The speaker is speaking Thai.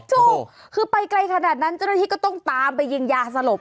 ถูกคือไปไกลขนาดนั้นเจ้าหน้าที่ก็ต้องตามไปยิงยาสลบ